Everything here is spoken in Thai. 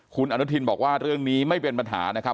คุณอนุทินบอกว่าเรื่องนี้ไม่เป็นปัญหานะครับ